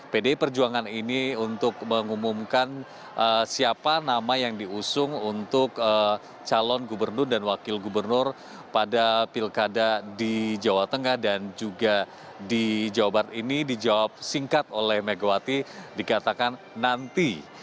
pdi perjuangan ini untuk mengumumkan siapa nama yang diusung untuk calon gubernur dan wakil gubernur pada pilkada di jawa tengah dan juga di jawa barat ini dijawab singkat oleh megawati dikatakan nanti